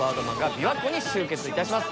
琵琶湖に集結いたします。